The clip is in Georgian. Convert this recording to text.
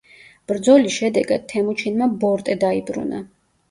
ბრძოლის შედეგად თემუჩინმა ბორტე დაიბრუნა.